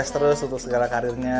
terima kasih banyak